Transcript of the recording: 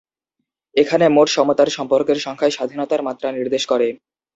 এখানে মোট সমতার সম্পর্কের সংখ্যাই স্বাধীনতার মাত্রা নির্দেশ করে।